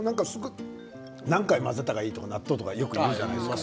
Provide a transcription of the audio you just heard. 何回混ぜたらいいって納豆はよく言うじゃないですか。